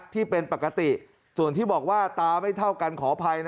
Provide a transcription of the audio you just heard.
ที่เป็นปกติส่วนที่บอกว่าตาไม่เท่ากันขออภัย